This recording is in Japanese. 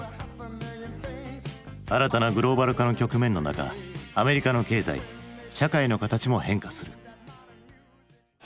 新たなグローバル化の局面の中アメリカの経済社会の形も変化する。